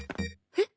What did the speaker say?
えっ？